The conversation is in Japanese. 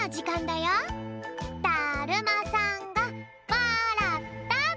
だるまさんがわらった！